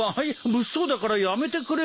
物騒だからやめてくれよ。